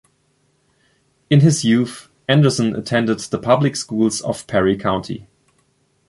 In his youth Anderson attended the public schools of Perry County.